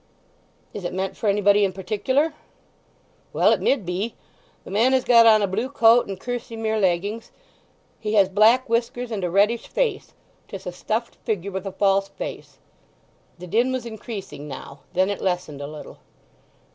"Is it meant for anybody in particular?" "Well—it mid be. The man has got on a blue coat and kerseymere leggings; he has black whiskers, and a reddish face. 'Tis a stuffed figure, with a falseface." The din was increasing now—then it lessened a little.